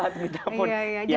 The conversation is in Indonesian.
jangan ya jangan